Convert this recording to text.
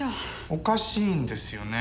おかしいんですよね。